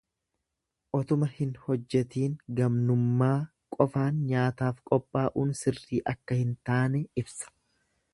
Otuma hin hojjetiin gamnummaa qofaan nyaataaf qophaa'uun sirrii akka hin taane ibsa.